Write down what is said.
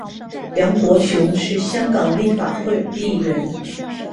梁国雄是香港立法会议员。